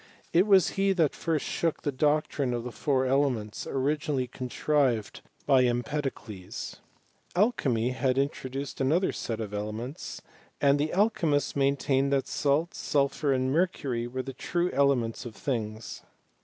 It was he that first shook the doctrine of the four ele ments, originally contrived by Empedocles. Alchymy had introduced another set of elements, and the al chymists maintained that salt, sulphur, and mercury, were the true elements of things.